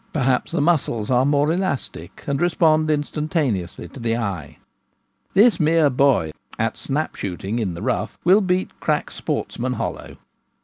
Perhaps the muscles are more elastic, and respond instantaneously to the eye. This mere boy at snap shooting in the * rough' will beat crack sportsmen hollow.